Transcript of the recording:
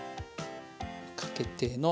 かけての。